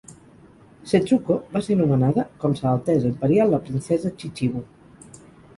Setsuko va ser nomenada com "Sa Altesa Imperial la Princesa Chichibu".